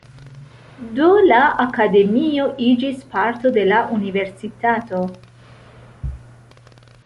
Do, la akademio iĝis parto de la universitato.